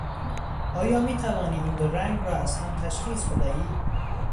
آیا میتوانی این دو رنگ را از هم تشخیص بدهی؟